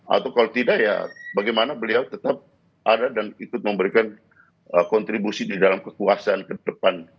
atau kalau tidak ya bagaimana beliau tetap ada dan ikut memberikan kontribusi di dalam kekuasaan ke depan